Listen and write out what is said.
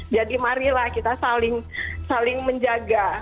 jadi marilah kita saling menjaga